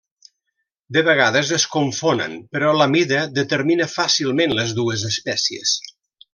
De vegades es confonen, però la mida determina fàcilment les dues espècies.